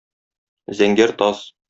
Зәңгәр таз.